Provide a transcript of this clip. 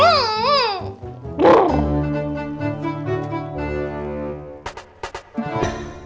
oh nanti jatuh